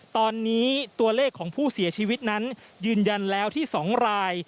ตอนนี้ตัวเลขของผู้เสียชีวิตนั้นยืนยันแล้วที่๒ราย